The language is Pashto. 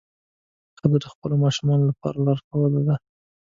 ښځه د خپلو ماشومانو لپاره لارښوده ده.